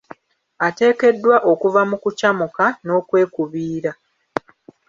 Ateekeddwa okuva mu kukyamuka n'okwekubiira.